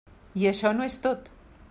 I això no és tot.